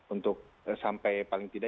untuk sampai paling tidak